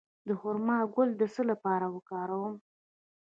د خرما ګل د څه لپاره وکاروم؟